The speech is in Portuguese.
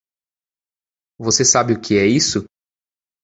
Você sabe o que é isso?